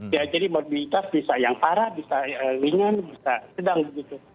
ya jadi mobilitas bisa yang parah bisa ringan bisa sedang begitu